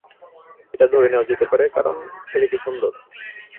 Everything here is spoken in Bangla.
এটা ধরে নেওয়া যেতে পারে, কারণ ছেলেটি সুন্দর।